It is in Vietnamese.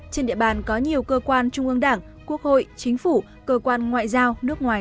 trên địa bàn có nhiều cơ quan trung ương đảng quốc hội chính phủ cơ quan ngoại giao nước ngoài